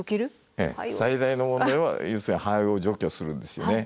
ええ最大の問題は要するに灰を除去するんですよね。